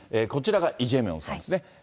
こちらがイ・ジェミョンさんですね。